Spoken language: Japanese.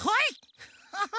フフフッ！